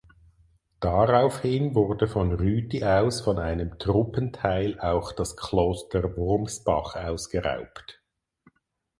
Daraufhin wurde von Rüti aus von einem Truppenteil auch das Kloster Wurmsbach ausgeraubt.